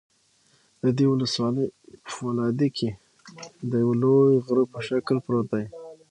د دې ولسوالۍ په فولادي کې د یوه لوی غره په شکل پروت دى